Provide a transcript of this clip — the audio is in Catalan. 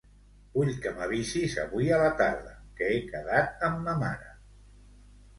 Vull que m'avisis avui a la tarda que he quedat amb ma mare.